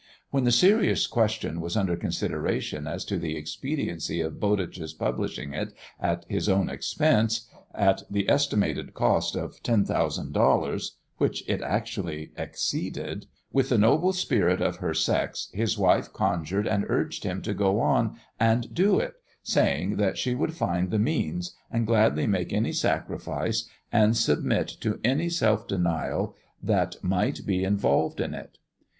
When the serious question was under consideration as to the expediency of Bowditch's publishing it at his own expense, at the estimated cost of 10,000 dollars, (which it actually exceeded,) with the noble spirit of her sex, his wife conjured and urged him to go on and do it, saying that she would find the means, and gladly make any sacrifice, and submit to any self denial that might be involved in it.